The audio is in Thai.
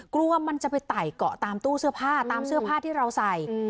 กลัวมันจะไปไต่เกาะตามตู้เสื้อผ้าตามเสื้อผ้าที่เราใส่